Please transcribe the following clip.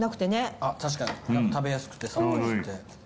確かに食べやすくてさっぱりしてて。